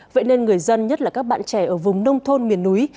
vậy nên người dân nhất là các bạn trẻ ở vùng nông thôn miền núi